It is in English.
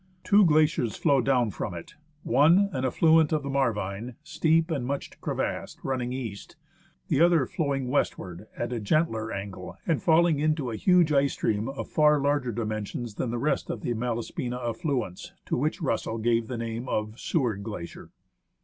Two glaciers flow down from it : one, an aftluent of the Marvine, steep and much crevassed, running east ; the other flowing westward at a gentler angle, and falling into a huge ice stream of far larger dimensions than the rest of the Malaspina affluents, to which Russell gave the name of " Seward Glacier."